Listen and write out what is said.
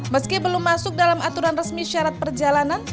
meski belum masuk dalam aturan resmi syarat perjalanan